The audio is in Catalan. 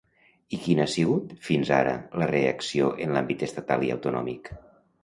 I quina ha sigut fins ara la reacció en l'àmbit estatal i autonòmic?